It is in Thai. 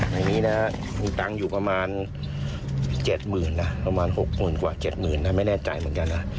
ในนี้นะมีตังค์อยู่ประมาณ๗๐๐นะประมาณ๖๐๐๐กว่า๗๐๐นะไม่แน่ใจเหมือนกันนะ